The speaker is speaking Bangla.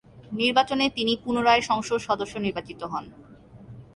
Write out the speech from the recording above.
নির্বাচনে তিনি পুনরায় সংসদ সদস্য নির্বাচিত হন।